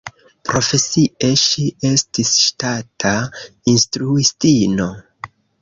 Profesie, ŝi estis ŝtata instruistino.